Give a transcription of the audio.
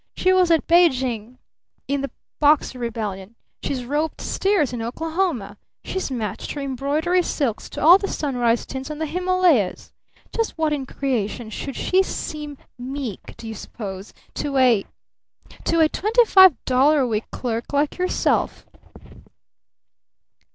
She was at Pekin in the Boxer Rebellion! She's roped steers in Oklahoma! She's matched her embroidery silks to all the sunrise tints on the Himalayas! Just why in creation should she seem meek do you suppose to a to a twenty five dollar a week clerk like yourself?"